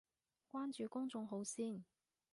關注公眾號先